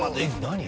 何？